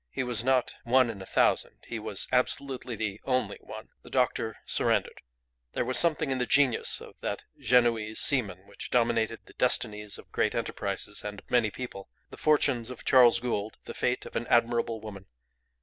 He was not "one in a thousand." He was absolutely the only one. The doctor surrendered. There was something in the genius of that Genoese seaman which dominated the destinies of great enterprises and of many people, the fortunes of Charles Gould, the fate of an admirable woman.